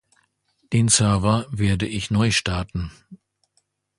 Den Server werde ich neustarten.